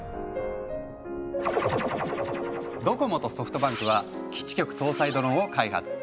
ドコモとソフトバンクは基地局搭載ドローンを開発。